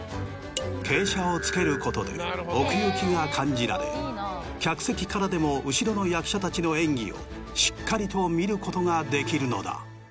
傾斜をつけることで奥行きが感じられ客席からでも後ろの役者たちの演技をしっかりと見ることができるのだ。